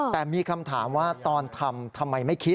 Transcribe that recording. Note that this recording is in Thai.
แต่มีคำถามว่าตอนทำทำไมไม่คิด